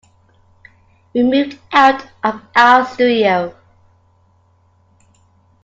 We moved out of our studio.